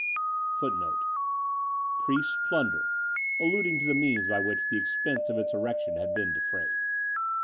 [Priests' plunder; alluding to the means by which the expense of its erection had been defrayed.